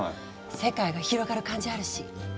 世界が広がる感じあるし。